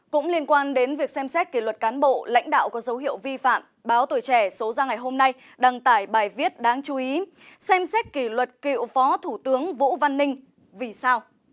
cũng liên quan đến việc xem xét kỷ luật cán bộ lãnh đạo có dấu hiệu vi phạm báo tuổi trẻ số ra ngày hôm nay đăng tải bài viết đáng chú ý xem xét kỷ luật cựu phó thủ tướng vũ văn ninh vì sao